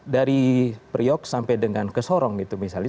dari priok sampai dengan ke sorong itu misalnya